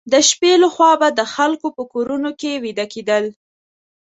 د شپې لخوا به د خلکو په کورونو کې ویده کېدل.